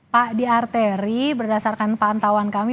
pak di arteri berdasarkan pantauan kami